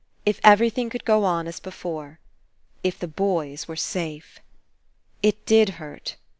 If everything could go on as before. If the boys were safe. It did hurt.